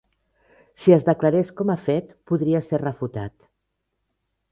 Si es declarés com a fet, podria ser refutat.